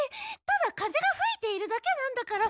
ただ風がふいているだけなんだから。